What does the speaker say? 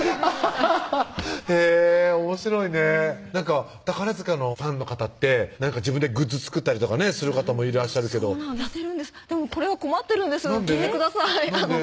アハハハッへぇおもしろいねなんか宝塚のファンの方って自分でグッズ作ったりとかねする方もいらっしゃるけどやってるんですでもこれは困ってるんです聞いてくださいなんで？